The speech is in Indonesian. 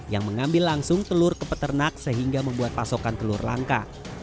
yang mengambil langsung telur ke peternak sehingga membuat pasokan telur langka